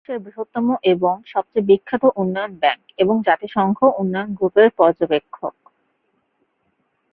এটা বিশ্বের বৃহত্তম এবং সবচেয়ে বিখ্যাত উন্নয়ন ব্যাংক এবং জাতিসংঘ উন্নয়ন গ্রুপের পর্যবেক্ষক।